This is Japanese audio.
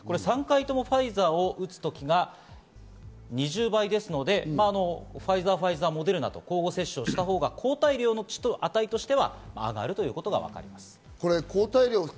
３回ともファイザーを打つときが２０倍ですのでファイザー、ファイザー、モデルナと交互接種したほうが抗体量の値としては上がるということがわかります。